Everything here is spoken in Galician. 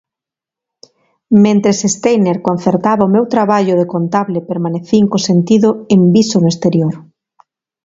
Mentres Steiner concertaba o meu traballo de contable permanecín co sentido enviso no exterior: